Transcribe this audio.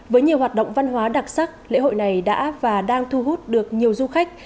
với nhiều hoạt động văn hóa đặc sắc lễ hội này đã và đang thu hút được nhiều du khách